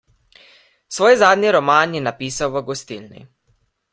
Svoj zadnji roman je napisal v gostilni.